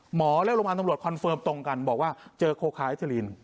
หมอและโรงพยาบาลตำรวจคอนเฟิร์มตรงกันบอกว่าเจอโคคาเอสเตอร์ลีน